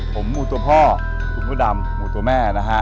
ผมหมูตัวพ่อคุณพ่อดำหมูตัวแม่นะฮะ